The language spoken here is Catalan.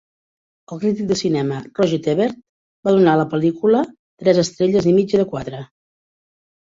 El crític de cinema Roger Ebert va donar a la pel·lícula tres estrelles i mitja de quatre.